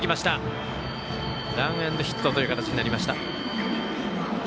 ランエンドヒットという形になりました。